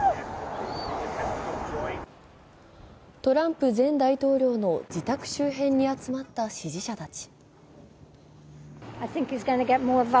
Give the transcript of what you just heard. トランプ前大統領の自宅周辺に集まった支持者たち。